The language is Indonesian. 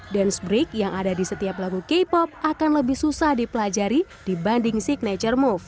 dance break yang ada di setiap lagu k pop akan lebih susah dipelajari dibanding signature move